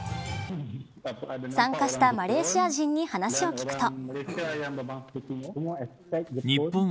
参加したマレーシア人に話を聞くと。